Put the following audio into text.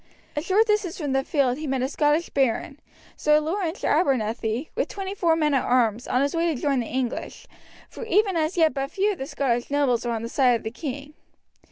A short distance from the field he met a Scottish baron, Sir Laurence Abernethy, with twenty four men at arms, on his way to join the English, for even as yet but few of the Scottish nobles were on the side of the king.